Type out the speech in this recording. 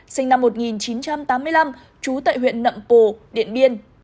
sinh năm một nghìn chín trăm tám mươi năm trú tại huyện nậm pồ điện biên